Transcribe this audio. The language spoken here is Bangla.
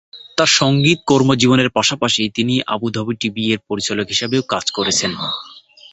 তার সংগীত কর্মজীবনের পাশাপাশি, তিনি আবুধাবি টিভি-এর পরিচালক হিসাবেও কাজ করেছেন।